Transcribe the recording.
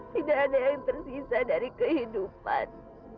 tidak ada yang tersisa dari kehidupan